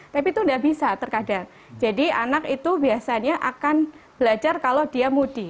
tapi itu tidak bisa terkadang jadi anak itu biasanya akan belajar kalau dia moody